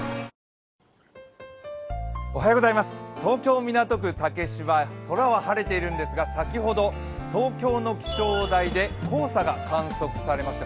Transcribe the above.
東京・港区竹芝、空は晴れているんですが、先ほど、東京の気象台で黄砂が観測されました。